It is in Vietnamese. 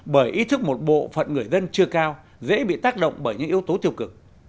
bởi ý thức một bộ phận người dân chưa cao dễ bị tác động bởi những yếu tố tiêu cực